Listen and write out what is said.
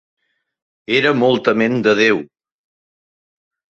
Era molt tement de Déu.